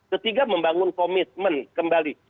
ketiga membangun komitmen kembali